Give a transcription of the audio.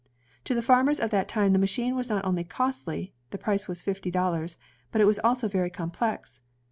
To the farmers of that time the machine was not only" costly, — the price was fifty dollars, — but it was also very complex.